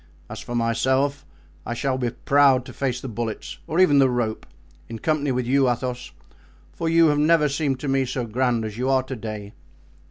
As for myself, I shall be proud to face the bullets, or even the rope, in company with you, Athos; for you have never seemed to me so grand as you are to day."